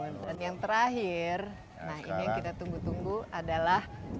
pembicara tiga puluh dua dan yang terakhir nah ini yang kita tunggu tunggu adalah